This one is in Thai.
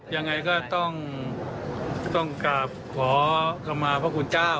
ยังไงก็ต้องกราบขอเข้ามาพระคุณเจ้า